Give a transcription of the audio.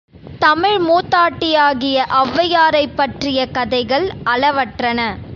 தமிழ் மூதாட்டியாகிய ஒளவையாரைப்பற்றிய கதைகள் அளவற்றன.